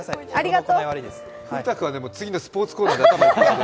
古田君は次のスポーツコーナーで頭がいっぱいで。